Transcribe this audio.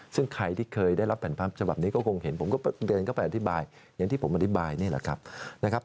ซึ่งใครที่เคยได้รับแผ่นพับฉบับนี้ก็คงเห็นผมก็เดินเข้าไปอธิบายอย่างที่ผมอธิบายนี่แหละครับนะครับ